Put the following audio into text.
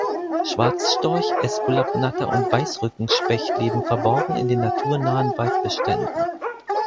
Schwarzstorch, Äskulapnatter und Weißrückenspecht leben verborgen in den naturnahen Waldbeständen.